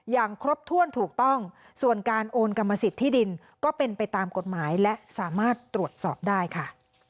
อย่างครบถ้วนถูกต้องส่วนการโอนกรรมสิทธิ์ที่ดินก็เป็นไปตามกฎหมายและสามารถตรวจสอบได้ค่ะ